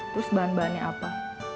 terus bahan bahannya apa